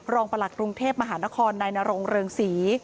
ประหลัดกรุงเทพมหานครนายนรงเริงศรี